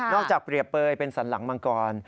จากเปรียบเปลยเป็นสันหลังมังกร